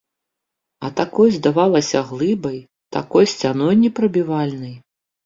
А такой здавалася глыбай, такой сцяной непрабівальнай.